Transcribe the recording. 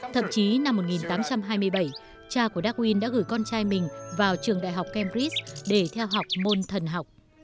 thậm chí năm một nghìn tám trăm hai mươi bảy cha của dagin đã gửi con trai mình vào trường đại học cambridge để theo học môn thần học